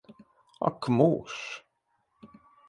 Ak mūžs!